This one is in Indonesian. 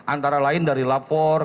antara lain dari lapor